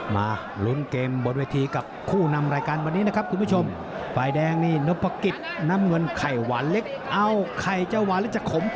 มารุนเกมบอบเวทีกับคู่นำรายการวันนี้นะครับคุณผู้ชม